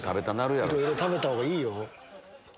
いろいろ食べたほうがいい。